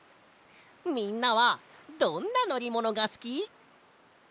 みんなはどんなのりものがすき？